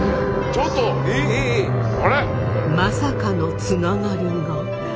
まさかのつながりが！？